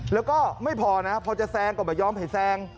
แล้วก็ไม่พอนะพอจะแซงก็ไม่ยอมให้แซง